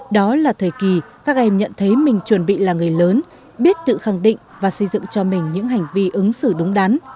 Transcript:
đó là thời kỳ các em nhận thấy mình chuẩn bị là người lớn biết tự khẳng định và xây dựng cho mình những hành vi ứng xử đúng đắn